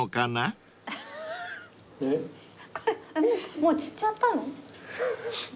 もう散っちゃったの？